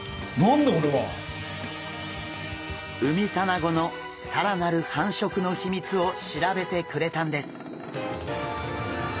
ウミタナゴの更なる繁殖の秘密を調べてくれたんです。